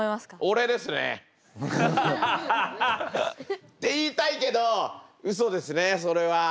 俺ですね。って言いたいけどうそですねそれは。